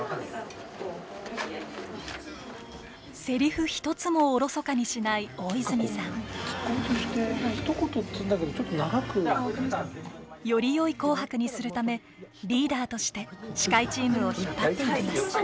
セリフ一つもおろそかにしない大泉さん。よりよい「紅白」にするためリーダーとして司会チームを引っ張っていきます。